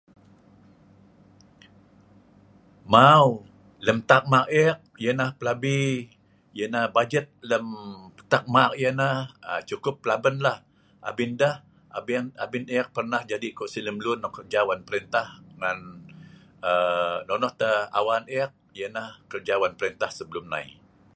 Mau, lem tak' ma' eek ya'nah plabi' ya'nah bajet lem tak' ma' cukup plaben la abin ndeh abin eek pernah jadi kok si' lemluen nok kerja wan perintah ngan nonoh tah awan ya'nah kerja wan perintah sebelum nai.